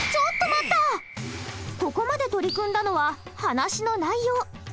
ここまで取り組んだのは話の内容。